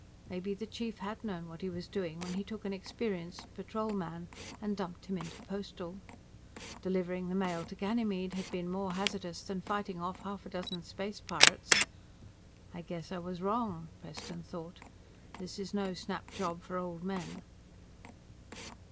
Maybe the Chief had known what he was doing when he took an experienced Patrol man and dumped him into Postal. Delivering the mail to Ganymede had been more hazardous than fighting off half a dozen space pirates. I guess I was wrong, Preston thought. _This is no snap job for old men.